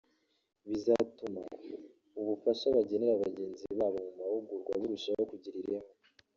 bizatuma ubufasha bagenera bagenzi babo mu mahugurwa burushaho kugira ireme